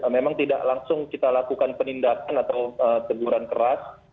memang tidak langsung kita lakukan penindakan atau teguran keras